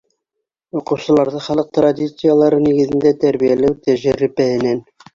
Уҡыусыларҙы халыҡ традициялары нигеҙендә тәрбиәләү тәжрибәһенән